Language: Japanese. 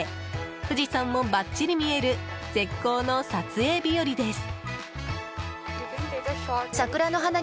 富士山もばっちり見える絶好の撮影日和です。